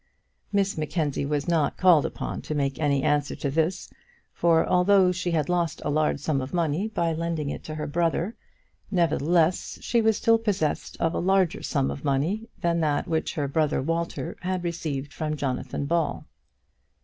Miss Mackenzie was not called upon to make any answer to this; for although she had lost a large sum of money by lending it to her brother, nevertheless she was still possessed of a larger sum of money than that which her brother Walter had received from Jonathan Ball.